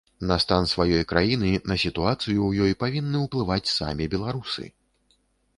На стан сваёй краіны, на сітуацыю ў ёй павінны ўплываць самі беларусы.